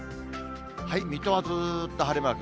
水戸はずーっと晴れマーク。